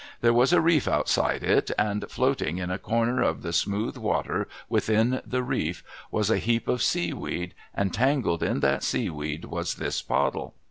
There was a reef outside it, and, floating in a corner of the smooth water within the reef, was a heap of sea weed, and entangled in that sea weed was this bottle.'